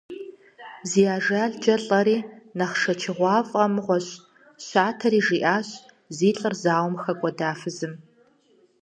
Зи ажалкӀэ лӀэри нэхъ шэчыгъуафӀэ мыгъуэщ, – щатэри жиӀащ зи лӀыр зауэм хэкӀуэда фызым.